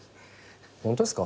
ホントですか？